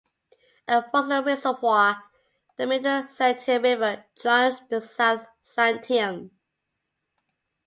At Foster Reservoir the Middle Santiam River joins the South Santiam.